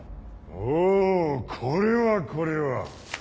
おぉこれはこれは。